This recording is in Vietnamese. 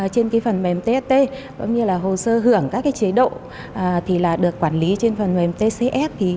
trên phần mềm tst hồ sơ hưởng các chế độ được quản lý trên phần mềm tcs